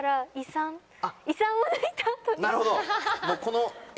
なるほど！